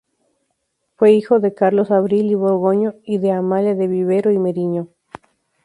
Fue hijo de Carlos Abril y Borgoño y de Amalia de Vivero y Merino.